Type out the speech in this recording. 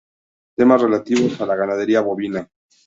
Temas relativos a la ganadería bovina.